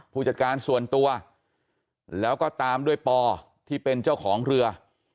ผู้จัดการส่วนตัวแล้วก็ตามด้วยปอที่เป็นเจ้าของเรือ